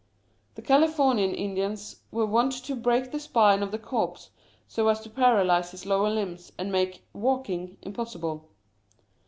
The Californian Indians were wont to break the spine of the corpse so as to paralyse his lower limbs, and make "walking" impossible.